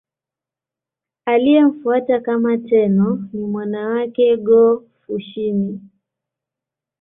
Aliyemfuata kama Tenno ni mwana wake Go-Fushimi.